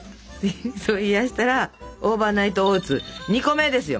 冷やしたらオーバーナイトオーツ２個目ですよ